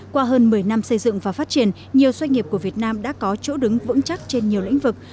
qua hơn một mươi năm xây dựng và phát triển nhiều doanh nghiệp của việt nam đã có chỗ đứng vững chắc trên nhiều lĩnh vực